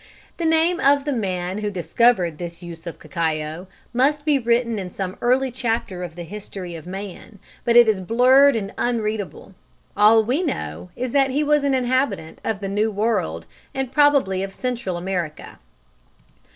The name of the man who discovered the use of cacao must be written in some early chapter of the history of man, but it is blurred and unreadable: all we know is that he was an inhabitant of the New World and probably of Central America.